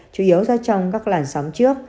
chủ yếu do trong các làn sóng trước